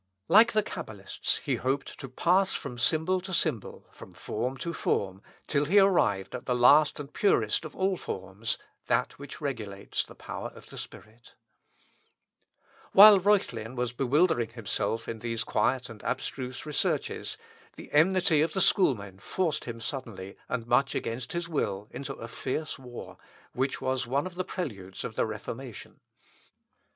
" Like the Cabalists, he hoped to "pass from symbol to symbol, from form to form, till he arrived at the last and purest of all forms that which regulates the power of the Spirit." De Verbo Mirifico. De Arte Cabalistica. While Reuchlin was bewildering himself in these quiet and abstruse researches, the enmity of the Schoolmen forced him suddenly, and much against his will, into a fierce war, which was one of the preludes of the Reformation.